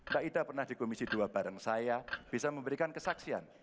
mbak ida pernah di komisi dua bareng saya bisa memberikan kesaksian